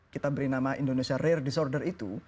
kita beri nama indonesia rare disorder itu